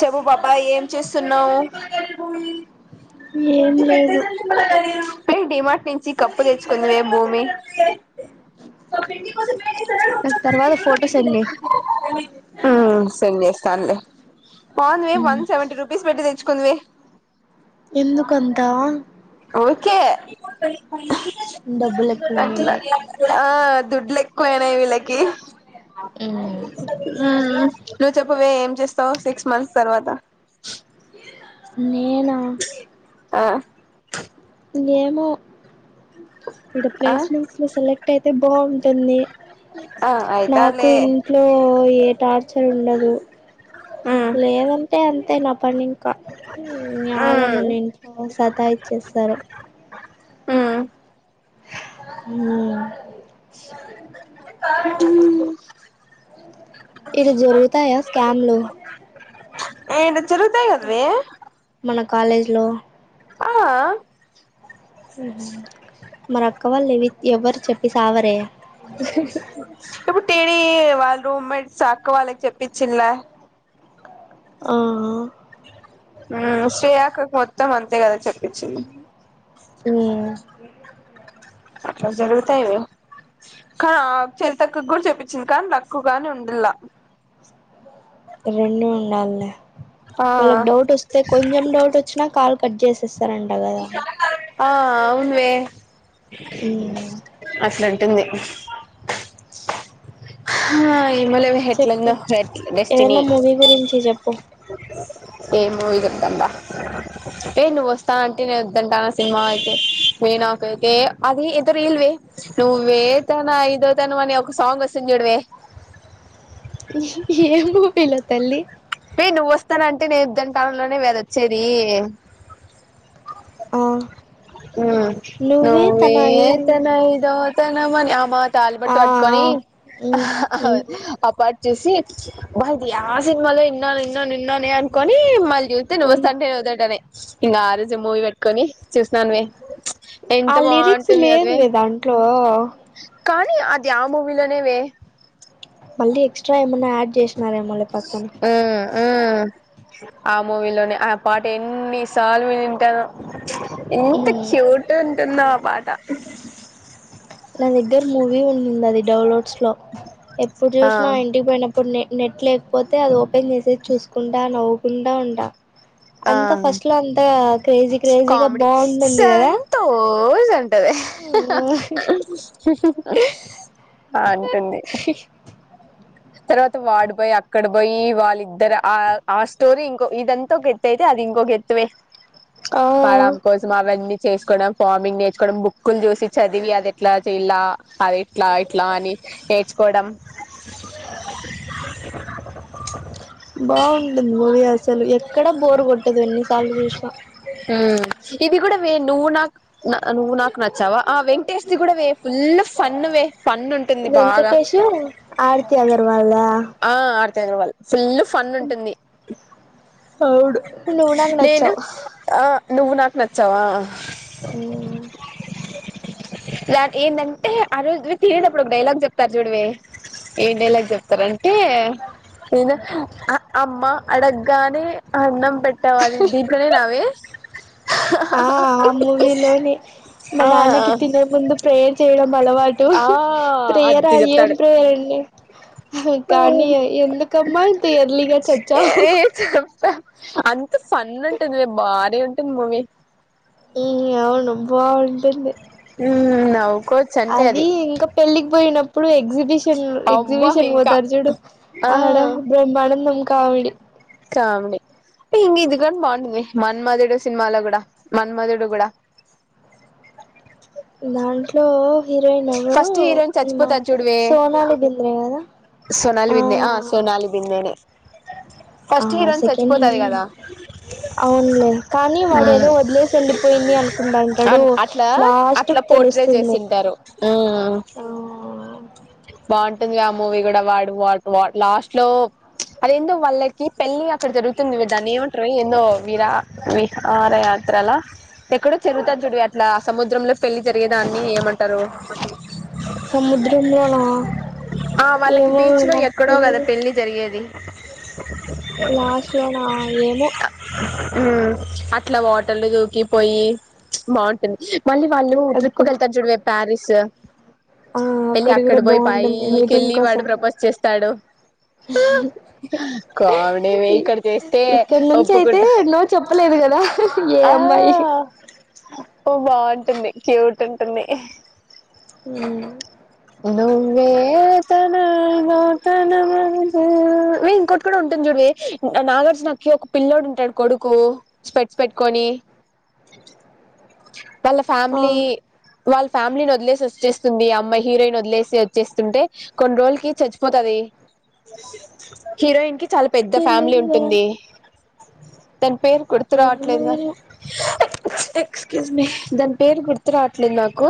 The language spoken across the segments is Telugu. చెప్పు [unintelligible] ఏం చేస్తున్నావు ఏం లేదు [unintelligible] డిమార్ట్ నుంచి కప్పు తెచ్చుకుందిమే భూమి నాకు తర్వాత ఫోటో సెండ్ చెయ్ కాదు మే వన్ సెవెంటీ రూపీస్ పెట్టి తెచ్చుకుంది [unintelligible] ఎందుకంతా ఊకే డబ్బులు ఎక్కువ ఉండింటాయి దుడ్లు [unintelligible] ఎక్కువ అయినాయి వీళ్ళకి ఉమ్ హు నువ్వు చెప్పవే ఏం చేస్తావు సిక్స్ మంత్స్ తర్వాత నేనా ఆ ఏమో ఇడ ఆ ప్లేస్మెంట్స్ లో సెలెక్ట్ అయితే బావ్ టుంది ఆ నాకు అయితావులే ఇంట్లో ఏ టార్చర్ ఉండదు లేదంటే అంతే నా పని ఇంకా న్యాల నన్ను ఇంట్లో సతా ఇచ్చేస్తారు హ అ ఇవి జరుగుతాయా స్కామ్ లో ఏ చరుగుతగదవే మన కాలేజ్ లో ఆ మర అక్క వాళ్ళువి ఎవ్వరు చెప్పి సావరే ఇప్పుడు టీవి వాళ్ళ రూమ్మేట్స్ అక్క వాళ్ళకి చెప్పించిన్ల ఆ మత్తం అంతే కదా చెప్పించ్చింది ఏమో జరుతయ్ వో కా ఆ చరితకుకు కూడా చెపించింది కానీ నక్కువగాని ఉండలా రెండు ఉండాల్లె ఆ వాళ్ళకి డౌట్ వస్తే కొంచెం డౌట్ వచ్చినా కాల్ పజే సెస్ ఆ అవునువే ఉమ్ అట్లాంటుంది ఆ... య్ ఏమో లేవే ఎట్లుందో చెప్పే ఎట్ల డెస్టిని ఏదైనా మూవీ గురించి చెప్పు ఏమ ఇగ ఏ నువ్వు వస్తానంటే నేను వద్దంటాన్న సినిమా అయితే నే నాకైతే అది ఇతరు ఇల్వే నువ్వేతనా ఐదో తన అని ఒక సాంగ్ వస్తుంది జుడవే [inaudible] ఏం మూవీలో తల్లి పయి నువ్ వస్తానంటే నేను వద్దంటానా లోనే వద వచ్చేది ఆ ఆ నువ్వే తన ఐదు తన తన ఐదో తనమని ఆ మా ఆ తాలుబట్టు ఆ పట్టుకొని ఉమ్ ఉమ్ అప్పట్ చేసి బ ఇది యా సినిమాలో విన్నాను విన్నాను విన్నాను అనుకొని మళ్ళీ చేస్తే నువ్వు ఉమ్ వస్తానంటే నేనొద్దంటానా ఇంకా ఆ రోజు మూవీ పెట్టుకొని చూసన్నానువే ఆ ఎంత లిరిక్స్ బాగుంటుంది గదే లేదువే దాంట్లో కానీ అది ఆ మూవలోనేవే అదే ఎక్స్త్రా ఏమన్నా యాడ్ చేసినార ఏమో లే పక్కన ఆ ఆ ఆ మూవీలోనే ఆ పాట ఎన్ని సార్లు వినుంటానో ఎంత ఉమ్ క్యూట్ ఉంటుందో ఆ పాట నా దగ్గర మూవీ ఉంది అది డౌన్లోడ్స్ లో ఎప్పుడు ఆ చూసినా ఇంటికి పోయిన ఇప్పుడు నె నెట్ లేకపోతే అది ఓపెన్ చేసేది చూసుకుంటా నవ్వకుండా ఉంటాను అంత ఫస్ట్ లో అంతగ కామెడి సంతోష్ అంటది ఆ అంటుంది తర్వాత వాడు బోయి అక్కడ బొయి వాళ్ళిద్దర ఆ ఆ స్టోరీ ఇంకో ఇదంతా ఒకేత్తయితే అది ఇంకోకేత్తువే ఆ వాడమే కోసం అవన్నీ చేసుకోవడం ఫార్మింగ్ నేర్చుకోవడం బుక్కులు చూసి చదివి అది ఎట్లా చెలా అది ఎట్లా ఇట్లా అని నేర్చుకోడం బాగుంటుంది మూవీ అసలు ఎక్కడ బోర్ కొట్టదు ఎన్నిసార్లు చూసినా ఇది కూడావె నువ్వు నాకు నువ్వు నాకు నచ్చావా ఆ వెంకటేష్ది కూడా వే ఫుల్ ఫన్ వే ఫన్ ఉంటుంది బాగా [inaudible] వెంకటేషు ఆర్తి అగర్వాల్దా ఆ ఆర్థిఅగర్వాల్ ఫుల్ ఫన్ ఉంటుంది అవుడు నువ్వు నాకు నెను ఆ నువ్వు నాక్ నచ్చవా నచ్చావు నాకేంటంటే అ రోజు [unintelligible] ప్పుడు ఒక డైలాగ్ చెప్తారు చూడవే ఏ డైలాగ్ చెప్తారె టే ఏందొ అ అమ్మ అడగ్గానే అన్నం పెట్టవాల్లి దీంట్లనేనా వే ఆ ఆమూవీలోనే మా ఆ నాన్నకి తినే ముందు ప్రేయర్ చేయడం అలవాటు ఆ ప్రేయర్ ఆ ఏం ప్రేయర్ అండి కానీ ఎందుకమ్మా ఇంత ఎర్లీగా చచ్చావు ఎఏ చెప్ అంత ఫన్ ఉంటుందివే భారీ ఉంటుంది మూవీ అవును బావుం టుంది నవ్వుకోవచ్చు అంటే అది ఇంకా పెళ్ళికి పోయిన ప్పుడు ఎగ్జిబిషన్ అబ్బా ఎగ్జిబిషన్‌కి ఇంకా పోతారు చూడు ఆ ఆడ బ్రహ్మానందం కామెడీ కామిడి మన్మధుడు సినిమాలో గూడా మన్మధుడు గూడా దాంట్లో హీరోయిన్ ఎవ్వరు ఫస్ట్ హీరోయిన్ ఈమా చచ్చిపోతది చూడవే సోనాలి బింద్రే కదా సోనాలి బిందే ఆ సోనాలి బిందేనే ఆ ఫస్ట్ హీరోయిన్ సెకండ్ చచ్చిపోతది హీరోయిన్ కదా అవునులే కానీ వాడేదో వొదిలేసి ఎళ్లిపోయింది అనుకుంటంటాడు అట్లా లాస్ట్ అట్లా పోట్రే తెలుస్తుంది చేసింటారు ఆ బాగుంటుంది గా ఆ మూవీ కూడా వాడు వాడ్ వాడ్ లాస్ట్‌లో అదేందో వాళ్ళకి పెళ్ళి ఇక్కడ జరుగుతుందివే దాన్ని ఏమంటారు ఏందో విరా విహారయాత్రలా ఎక్కడో చరుగుతది చూడువే అట్లా సముద్రంలో పెళ్లి జరిగేదాన్ని ఏమంటారు [unintelligible] ఆ వాళ్ళకి ఏమో బీచ్‌లో నాకు ఎక్కడో గదా తెలిదు పెళ్లి జరిగేది లాస్ట్ లోనా ఏమో హ్మ్ అట్లా వాటర్లో దూకి పోయి బ టుంది మళ్ళీ వాళ్ళు అగ్గు ట్రిప్‌కేళ్తారు చూడవే ప్యారిస్ ఆ వెళ్ళి అక్కడ కూడా అక్కడపోయి బాగుంటుంది మీటింగ్ పైకేళ్ళి వాడు ప్రపోజ్ చేస్తాడు కామెడీ ఇక్కడ చేస్తే ఇక్కనుంచి అయితే ఒప్పుకుంటా ఎన్నో చెప్పలేదు గదా ఏ ఆ అమ్మాయి ఓ బాగుంటుంది క్యూట్ ఉంటుంది హ్మ్. నువ్వే తన ఐదోతనమని [unintelligible] ఇంకోటి కూడా ఉంటుం. దిజుడువే, నాగార్జునకి ఒక పిల్లోడు ఉంటాడు. కొడుకు స్పెడ్స్ పెట్టుకొని. [inaudible] వాళ్ళ ఆ ఫ్యామిలీ, వాళ్ళ ఫ్యామిలీని వదిలేసి వచ్చేస్తుంది ఆ అమ్మాయి. హీరోయిన్ వదిలేసి వచ్చేస్తుంటే. కొన్ని రోజులకి చచ్చిపోతాది. హీరోయిన్‌కి చాలా పెద్ద ఫ్యామిలీ తెలియదు కదా ఉంటుంది. దాని పేరు గుర్తు ఏమో రావట్లేదుగా. ఏమో [unintelligible] ఎక్స్క్యూజ్‌మీ, దాని పేరు గుర్తు రావట్లేదు నాకు.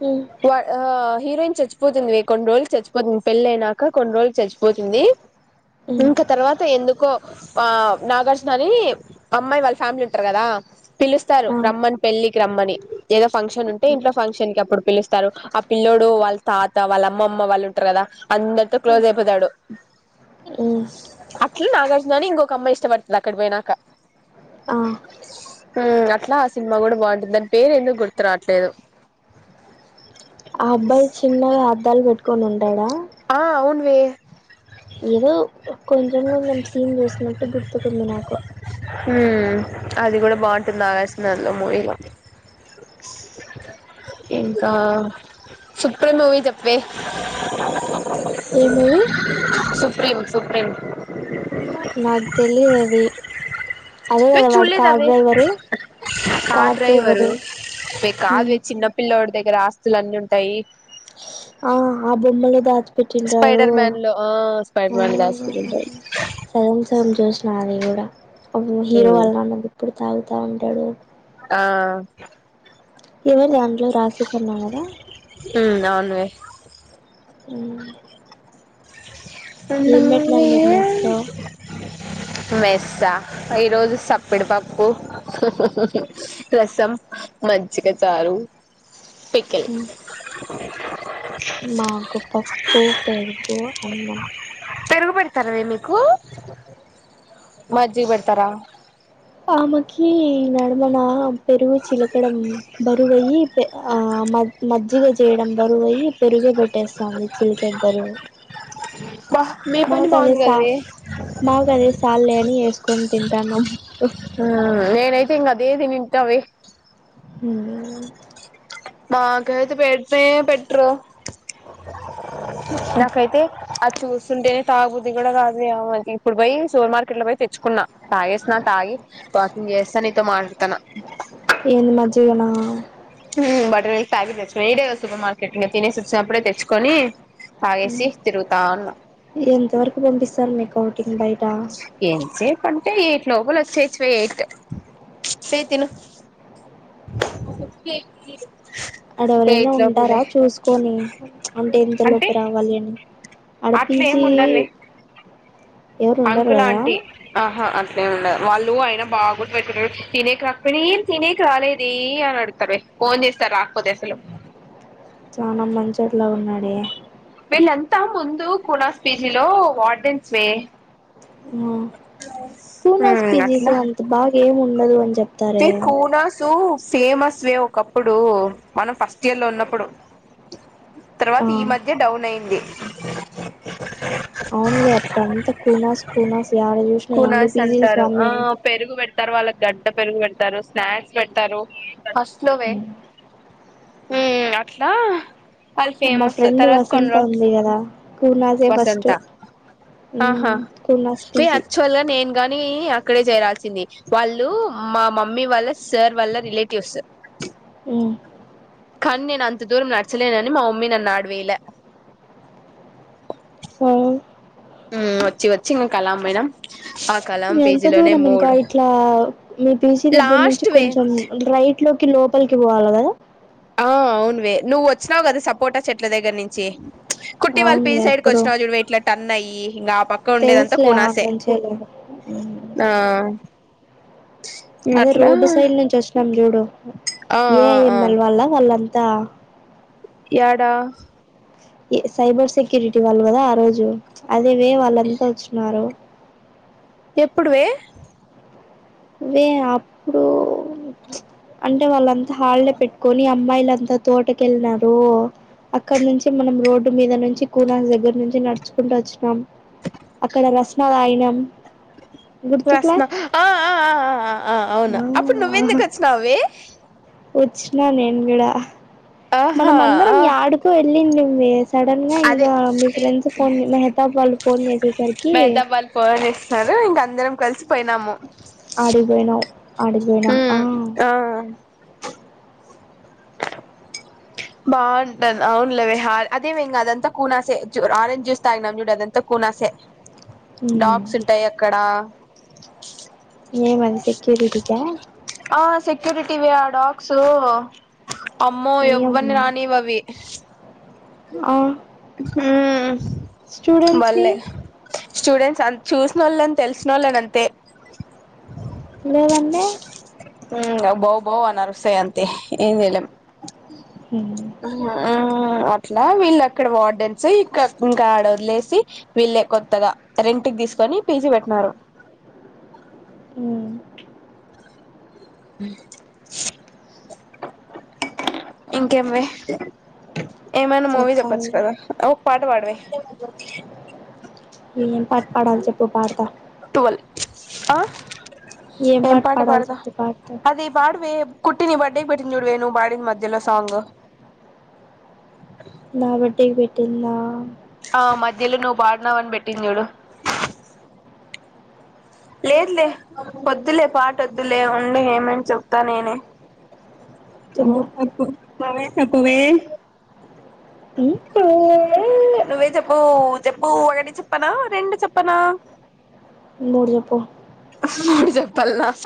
హ్మ్ వా ఆ హీరోయిన్ చచ్చిపోతుందివే కొన్ని రోజులకి చచ్చిపోతుంది. పెళ్లి అయినాక కొన్ని రోజులకి చచ్చిపోతుంది. ఇంకా తర్వాత ఎందుకో. ఆ నాగార్జునని అమ్మాయి వాళ్ళ ఫ్యామిలీ ఉంటారు కదా. పిలుస్తారు ఆ రమ్మని పెళ్ళికి రమ్మని. ఏదో ఫంక్షన్ ఉంటే, ఇంట్లో ఫంక్షన్‌కి అప్పుడు పిలుస్తారు. ఆ పిల్లోడు వాళ్ళ తాత వాళ్ళ అమ్మమ్మ వాళ్ళు ఉంటారు కదా. అందరితో క్లోజ్ అయిపోతాడు. ఉమ్ అట్లా నాగార్జునని ఇంకొక అమ్మాయి ఇష్ట. ష్టపడుతుంది అక్కడ పోయినాక. ఆ ఉమ్ అట్లా ఆ సినిమా కూడా బాగుంటుంది దాని పేరు ఎందుకు గుర్తు రాట్లేదు. ఆ అబ్బాయి చిన్నగా అద్దాలు పెట్టుకొని ఉంటాడా. వే ఏదో కొంచెం కొంచెం సీన్ చూసినట్టు గుర్తుకుంది నాకు. హ్మ్, అది కూడా బాగుంటుంది [unintelligible] మూవీలో. ఇంకా సుప్రీం మూవీ చెప్పవే. ఏ మూవీ. Supreme Supreme. నాకు తెలిదు అది. అదే వే కదా వాడు చూడలేదా కార్ వే డ్రైవరు. కార్ డ్రైవరు, ఉమ్ కాదువే చిన్న పిల్లడి దగ్గర ఆస్తులు అన్నీ ఉంటాయి. ఆ ఆ హా బొమ్మలు దాచు. పెట్టంటారు. స్పైడర్ మ్యాన్ లో ఆ స్పైడర్ మ్యాన్ ఆస్తులు [unintelligible] ఉంటాయి సగం సగం చూసిన అది కూడా. హీరో ఉమ్ వాళ్ల ఎప్పుడు తాగుతా ఉంటాడు. ఆ ఎవరు దాంట్లో రాసి కన్నా కదా. [unintelligible] అవునువే హుమ్ [inaudible] మెస్ లో మెస్స, ఈరోజు సప్పిడి పప్పు. ప్పు, ఓ రసం మంచిగా చారు. పికిల్. ఉమ్ మాకు పప్పు, పెరుగు అన్నం. పెరుగు పెడతార మీకు మజ్జిగ పెడతారా. కి నడమన. పెరుగు చిలకడం బరువయ్యి ఆ మజ్జిగ. చేయడం బరువు అయ్యి పెరుగే పెట్టేస్తుంది చిలికేక్ బరువు. బా మీ మా పని కదే బాగుంది స కదవే కదేే స్ చాల్లే అని వేసుకొని తింటానం ఆ నేనైతే ఇంగ అదే తినింట వే హు మాకైతే పెట్నే పెట్రు అది చూస్తుంటేనే తాగుబుద్ది కూడ కాదు మనకి ఇప్పుడు పోయి సుపర్ మార్కెట్ లో పొయ్ తెచ్చుకున్నా తాగేసిన తాగి వాకింగ్ చేస్త నీతో మాట్లాడుతున్న ఏంది మజ్జిగనా బటర్ మిల్క్ ప్యాకిట్ తెచ్చుకొని ఇడే సూపర్ మార్కెట్ తినేసి వచ్చినప్పుడే తెచ్చుకొని తాగేసి తిరుగుతా ఉన్న ఎంత వరకు పంపిస్తారు మీకు ఔటింగ్ బయట ఎంసేపు అంటే [unintelligible] [unintelligible] [inaudible] అడెవరైనా ఎయిట్ ఉంటారా లోపలివే చూసుకోని అంటే ఎంతలోపు రావాలి అని అడ అట్లా పిజీ ఏమి ఉండరువే అంకుల్ ఆంటీ ఆహా అట్లే ఉండదు వాళ్ళు అయన బాగుంట పెతురు తినేక రాకపోం తినేక రాలేదే అని అడుతారు ఫోన్ చేసి రాకపోతే అసలు చాన మంచి మంచొడి లాగ వున్నడే వీళ్ళంతా ముందు కుణస్ పీజీలో వార్డెన్స్ వే కునాస్ ఉమ్ పిజీస్ అంత బాగా ఏం ఉండదు అని చెప్ కునసు ఫేమస్ వే ఒకప్పుడు మనం ఫస్ట్ ఇయర్ లో ఉన్నప్పుడు తర్వాత ఆ ఈ మధ్య డౌన్ అయింది అవున్ లే అప్పుడు అంత కూనాస్ కూనాస్ యాడ చూసినా ఎన్ని కునాస్ పీజీలు అంటారు ఆ స్వామి పెరుగు పెడతారు వాళ్ళ గడ్డ పెరుగు పెడతారు స్నాక్స్ పెడతారు ఫస్ట్ లోవే ఉ అట్లా వాళ్ళు మా ఫేమస్ ఫ్రెండ్ తర్వాత వసంత కొన్రోజులకీ ఉంది కదా కూనాసే ఫస్ట్ వసంత ఆహా మ్మ్ కూనాస్ ఏ పీజీ యక్చుఅల్ నేను గాని అక్కడే చేరాల్సింది వాళ్ళు మా మమ్మీ వాళ్ళ సార్ వాల్ల రిలేటివ్స్ [inaudible] అ కనీ నేను అంత దూరం నడచలేనని మా మమ్మీ నన్ను ఆడ వైల అ వచ్చి వచ్చి [unintelligible] ఎంత పేజీలోనే దూరం ఇంక మూడు ఇట్ల మీ పీజీ దగ్గర నుంచి లాస్ట్ వే కొంచెం రై ఇంట్లోకి లోపలికి పోవాలి కద ఆ అవునువే నువ్వు వచ్చినావు కదా సపోటా చెట్ల దగ్గర నుంచి కుట్టి వాళ్ళు పి అవునులే సైడ్కి ఎప్పుడు వచ్చినావు చూడుమే ఇట్లా టన్ అయ్యి ఇంకా పక్క ఉండేదంతా తెలుసులే కూనాసే [unintelligible] ఆ ఇంగ అదే అట్లా రోడ్డు సైడ్ నుంచి వచ్చినాం చూడు ఆ ఆ ఆ ఏఐఎంఎల్ వాళ్ళ వాళ్ళం త యాడ సైబర్ సెక్యూరిటీ వాళ్ళు కదా ఆ రోజు అదే ఏమి వాళ్ళంతా వచ్చిన్నారు ఎప్పుడువే మే అప్పుడు అంటే వాళ్ళంతా హాళిడే పెట్టుకోని మ్మాయిలంతా తోటకెళ్నారు అక్కడ నుంచి మనం రోడ్డు మీద నుంచి కూలాం దగ్గర నుంచి నడుచుకుంటా వచ్చినాం అక్కడ రస్నా దాయినం రస్న ఆ ఆ ఆ ఆ ఆ ఆ అవును అప్పుడు నువ్వెందుకు వచ్చినావ్ వే వచ్చ్న నేన్ మిడ ఆ ఆహా మనం అందరం యాడికో ఎళ్ళిండిమ్మి సడన్ గా ఇంగ అదే మీ ఫ్రెండ్స్ ఫోన్ తీల హెతాబ్ వాళ్ళు ఫోన్ చేసేసరికి హెదాబ్ వాళ్లు పోవనిస్తారు ఇంక అందరం కలిసి పొయినాము ఆడికి పొయ్ నావ్ ఆడికి బొయినాం ఆ [inaudible] బాగుంటాన్ అవునులేవే హ అదేవే ఇంగదంతా కూనాసె ఆరెంజ్ జ్యూస్ తాగినాం జూడు అదంతా కూనాసే ఉమ్ డాగ్స్ ఉంటాయక్కడ ఏమది సెక్యూరిటీకా ఆ సెక్యూరిటీవే ఆ డాగ్స్ అమ్మో ఎవ్వని ఓయమ్మ రానీవవి ఆ హూ స్టూడెంట్స్ని బల్లె స్టూడెంట్స్ అన్ చూసినోళ్ళన్ తెలిసి నోళ్ళని అంతే లేదండె హ్మ్ అవి భౌ భౌ అని అరుస్తాయంతే ఏం జెయలేం మ్మ్ మ్మ్ అట్లా వీళ్ళక్కడ వార్డెన్స్ ఇక ఇంకాడ వదిలేసి వీళ్ళే కొత్తగా దీసుకొని పీ జీ పెట్టినారు మ్మ్ మ్మ్ ఇంకేం వే ఏమైనా మూవీ చెప్పచ్చు చెప్పాలిరా కదా ఒక పాట పాడు వే ఏం పాట్ పాడాలి చెప్పు పాడతా టువల్ ఆ ఏం పాట పాడాలి పాడద చెప్పు పాడతా అదే బాడవె కుట్టి ని బర్డేకి పెట్టింది చూడువె ను బాడింది మధ్యలో సాంగ్ నా బర్డేకి పెట్టిందా ఆ మధ్యలో నువ్వు బాడినావని పెట్టిందిజూడు లేద్లే వద్దులే పాటొద్దులే ఉండు ఏమని చెప్తా నేనే చెప్పు కొట్టు కోవే చెకువే మ్మ్ ఊ నువ్వే చెప్పు చెప్పు ఒకటి చెప్పనా రెండు చెప్పనా జెప్పు జపల్లా